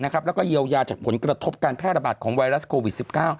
แล้วก็เยียวยาจากผลกระทบการแพร่ระบาดของไวรัสโควิด๑๙